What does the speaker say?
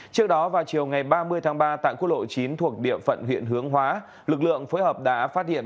trước đó vào chiều ngày ba mươi tháng ba tại quốc lộ chín thuộc địa phận huyện hướng hóa lực lượng phối hợp đã phát hiện